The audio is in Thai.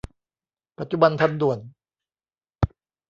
ปัจจุบันทันด่วน